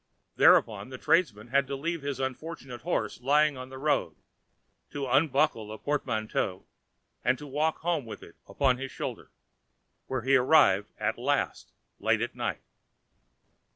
Thereupon the tradesman had to leave his unfortunate horse lying on the road, to unbuckle the portmanteau, and to walk home with it upon his shoulder, where he arrived at last late at night.